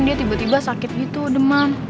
dia tiba tiba sakit gitu demam